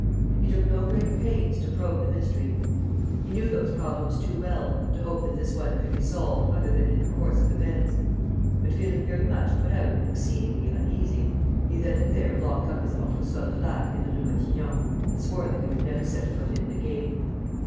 He took no great pains to probe the mystery. He knew those problems too well to hope that this one could be solved other than in the course of events. But, feeling very much put out and exceedingly uneasy, he then and there locked up his entresol flat in the Rue Matignon and swore that he would never set foot in it again.